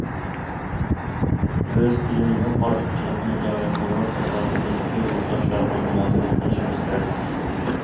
بىز ئۆزىمىزنىڭ ئارتۇقچىلىقىنى جارى قىلدۇرۇپ، ئەتراپىمىزدىكى يۇرتداشلارغا مۇلازىمەت قىلىشىمىز كېرەك.